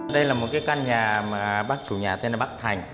đây là một căn nhà mà bác chủ nhà tên là bác thành